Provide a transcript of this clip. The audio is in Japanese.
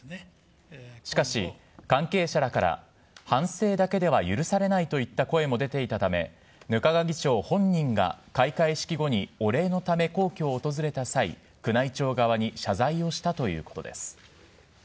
しかし、関係者らから反省だけでは許されないといった声も出ていたため、額賀議長本人が開会式後に、お礼のため皇居を訪れた際、宮内庁側に謝罪をしたということです。